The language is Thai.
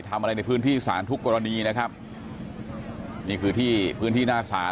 ทำอะไรในพื้นที่ศาลทุกกรณีนะครับนี่คือที่พื้นที่หน้าศาล